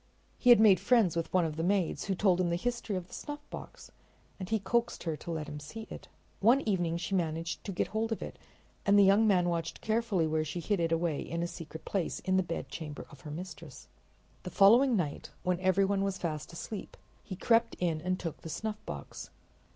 He made friends with one of the maids, who told him the history of the snuffbox, and he coaxed her to let him see it. One evening she managed to get hold of it, and the young man watched carefully where she hid it away in a secret place in the bedchamber of her mistress. The following night, when everyone was fast asleep, he crept in and took the snuffbox.